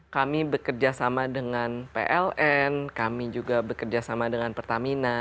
kami bekerja sama dengan pln kami juga bekerja sama dengan pertamina